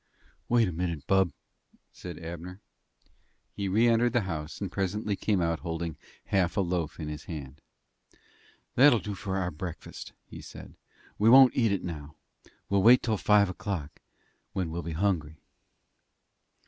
"Wait a minute, bub," said Abner. He re entered the house, and presently came out holding half a loaf in his hand. "That'll do for our breakfast," he said. "We won't eat it now. We'll wait till five o'clock. Then we'll be hungry."